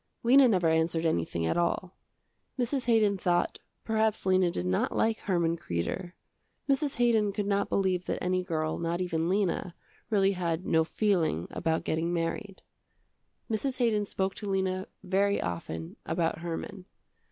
Lena never answered anything at all. Mrs. Haydon thought, perhaps Lena did not like Herman Kreder. Mrs. Haydon could not believe that any girl not even Lena, really had no feeling about getting married. Mrs. Haydon spoke to Lena very often about Herman.